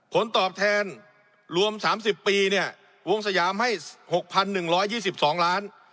ผลตอบแทนรวมสามสิบปีเนี่ยวงสยามให้หกพันหนึ่งร้อยยี่สิบสองล้าน